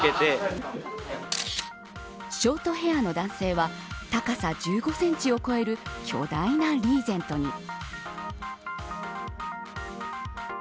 ショートヘアの男性は高さ１５センチを超える巨大なリーゼントに。